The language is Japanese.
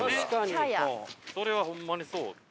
それはホンマにそう。